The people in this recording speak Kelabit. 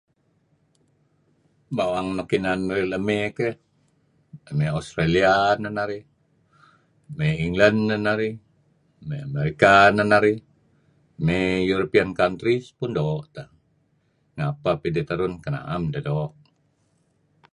Bawang nuk inan narih la' mey keh, mey Australia neh narih, mey Englang neh narih, mey America neh narih , mey European countries pun doo' teh. Ngapeh pidih terun kan na'em deh doo'.